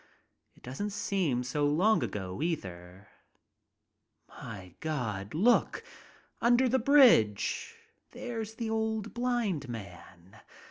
It doesn't seem so long ago, either. My God! Look! Under the bridge! There's the old blind man.